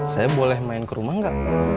saya boleh main ke rumah nggak